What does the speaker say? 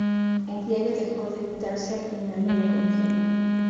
El diario dejó de editarse al final de la contienda.